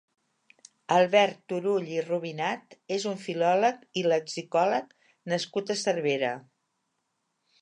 Albert Turull i Rubinat és un filòleg i lexicòleg nascut a Cervera.